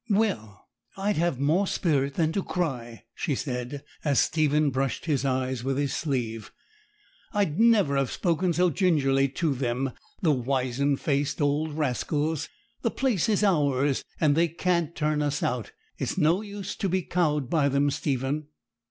'Well, I'd have more spirit than to cry,' she said, as Stephen brushed his eyes with his sleeve; 'I'd never have spoken so gingerly to them, the wizen faced old rascals. The place is ours, and they can't turn us out. It's no use to be cowed by them, Stephen.'